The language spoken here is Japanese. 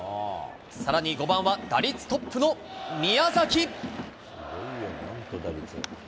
さらに５番は、打率トップの宮崎。